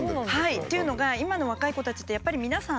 っていうのが今の若い子たちってやっぱり皆さん